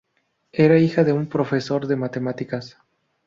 Era hija de un profesor de matemáticas.